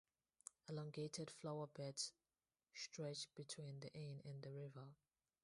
Elongated flower beds stretch between the inn and the river.